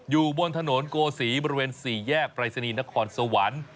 อยู่บนถนนโกศีบริเวณ๔แยกปรายศนีย์นครสวรรค์